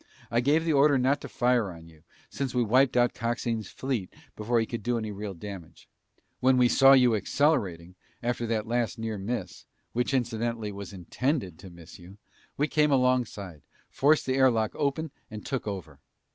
I gave the order not to fire on you, since we wiped out Coxine's fleet before he could do any real damage. When we saw you accelerating, after that last near miss which incidentally was intended to miss you we came alongside, forced the air lock open, and took over."